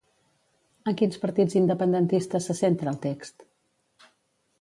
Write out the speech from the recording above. En quins partits independentistes se centra el text?